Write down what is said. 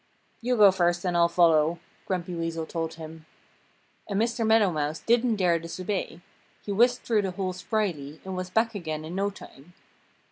"You go first and I'll follow," Grumpy Weasel told him. And Mr. Meadow Mouse didn't dare disobey. He whisked through the hole spryly and was back again in no time.